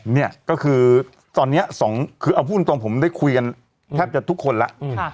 เนี่ยก็คือตอนนี้สองคือเอาพูดตรงผมได้คุยกันแทบจะทุกคนแล้ว